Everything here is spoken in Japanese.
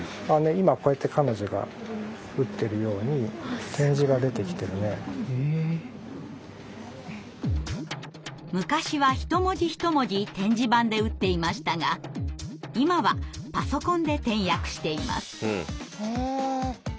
今こうやって彼女が打ってるように昔は一文字一文字点字盤で打っていましたが今はパソコンで点訳しています。